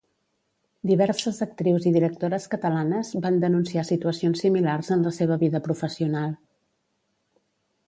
Diverses actrius i directores catalanes van denunciar situacions similars en la seva vida professional.